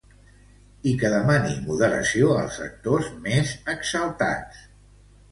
I que demani moderació als sectors més exaltats.